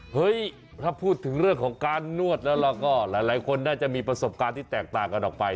เฮ้ยถ้าพูดถึงเรื่องของการนวดแล้วเราก็หลายคนน่าจะมีประสบการณ์ที่แตกต่างกันออกไป